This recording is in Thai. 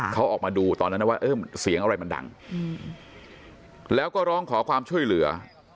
เขาออกมาดูตอนนั้นนะว่าเออเสียงอะไรมันดังแล้วก็ร้องขอความช่วยเหลือ